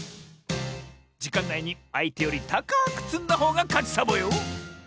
じかんないにあいてよりたかくつんだほうがかちサボよ！